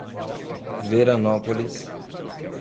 Veranópolis